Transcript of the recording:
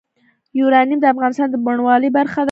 یورانیم د افغانستان د بڼوالۍ برخه ده.